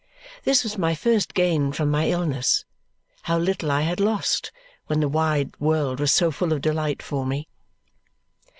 This was my first gain from my illness. How little I had lost, when the wide world was so full of delight for me.